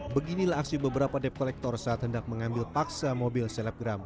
beginilah aksi beberapa dep kolektor saat hendak mengambil paksa mobil selebgram